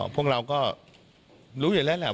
พวกเราก็รู้อยู่แล้วแหละ